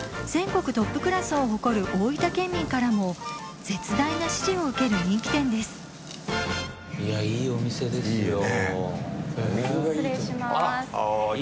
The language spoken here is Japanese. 全国トップクラスを誇る大分県民からも絶大な支持を受ける人気店です